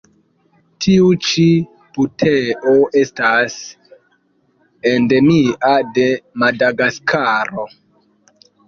Tiu ĉi buteo estas endemia de Madagaskaro.